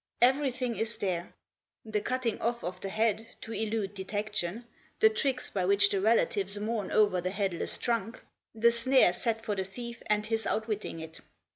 Everything is there; the cutting off of the head to elude detection, the tricks by which the relatives mourn over the headless trunk, the snare set for the thief and his outwitting it.